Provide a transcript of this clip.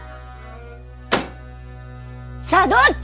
さぁどっち？